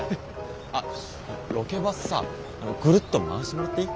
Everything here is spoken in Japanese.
あロケバスさぐるっと回してもらっていい？